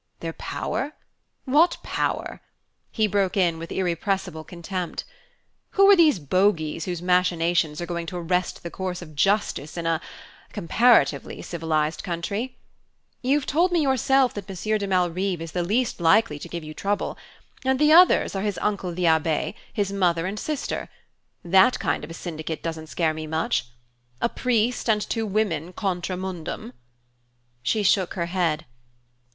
"Their power? What power?" he broke in with irrepressible contempt. "Who are these bogeys whose machinations are going to arrest the course of justice in a comparatively civilized country? You've told me yourself that Monsieur de Malrive is the least likely to give you trouble; and the others are his uncle the abbe, his mother and sister. That kind of a syndicate doesn't scare me much. A priest and two women contra mundum!" She shook her head.